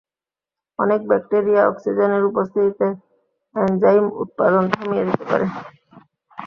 অনেক ব্যাকটেরিয়া অক্সিজেনের উপস্থিতিতে এনজাইম উৎপাদন থামিয়ে দিতে পারে।